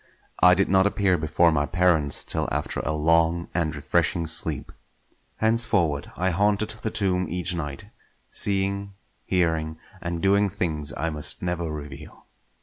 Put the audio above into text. I did not appear before my parents till after a long and refreshing sleep. Henceforward I haunted the tomb each night; seeing, hearing, and doing things I must never reveal.